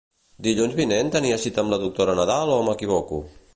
Dilluns vinent tenia cita amb la doctora Nadal o m'equivoco?